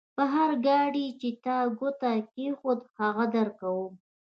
پر هر ګاډي چې تا ګوته کېښوده؛ هغه درکوم.